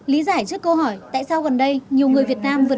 lý giải trước câu hỏi tại sao gần đây nhiều người việt nam vẫn biết